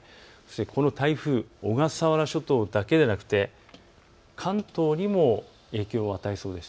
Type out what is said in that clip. この台風、小笠原諸島だけでなく関東にも影響を与えそうです。